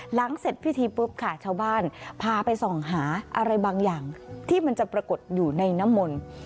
หลังเสร็จพิธีปุ๊บค่ะชาวบ้านพาไปส่องหาอะไรบางอย่างที่มันจะปรากฏอยู่ในน้ำมนต์